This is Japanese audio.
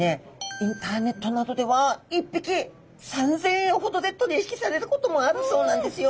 インターネットなどでは１匹３，０００円ほどで取り引きされることもあるそうなんですよ。